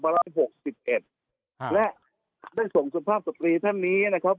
และได้ส่งสภาพสตรีท่านนี้นะครับ